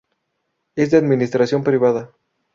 Es de administración privada.